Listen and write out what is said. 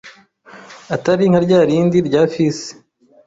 atari nka rya rindi rya Fils,